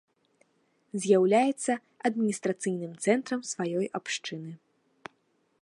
З'яўляецца адміністрацыйным цэнтрам сваёй абшчыны.